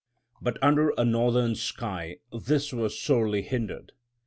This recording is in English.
But under a northern sky this was sorely hindered.